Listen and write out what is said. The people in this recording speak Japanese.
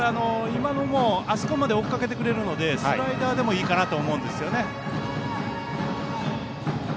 今のも、あそこまで追っかけてくれるのでスライダーでもいいかなと思います。